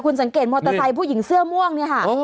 คุณสังเกตมอเตอร์ไซค์ผู้หญิงเสื้อม่วงเนี่ยค่ะ